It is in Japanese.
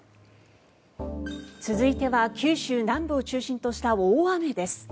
続いては九州南部を中心とした大雨です。